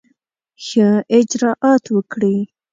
ښه اجرآت وکړي.